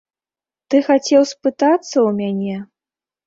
Ты хацеў спытацца ў мяне?